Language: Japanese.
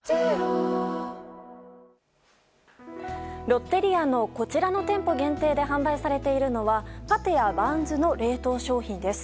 ロッテリアのこちらの店舗限定で販売されているのはパテやバンズの冷凍商品です。